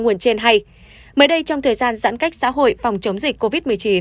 nguồn trên hay mới đây trong thời gian giãn cách xã hội phòng chống dịch covid một mươi chín